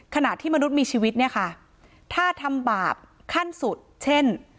ขณะที่มนุษย์มีชีวิตเนี่ยค่ะถ้าทำบาปขั้นสุดเช่น